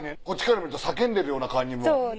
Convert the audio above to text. こっちから見ると叫んでるような感じも。